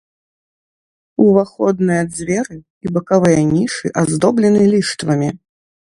Уваходныя дзверы і бакавыя нішы аздоблены ліштвамі.